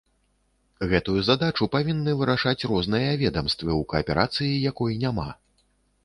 Гэтую задачу павінны вырашаць розныя ведамствы ў кааперацыі, якой няма.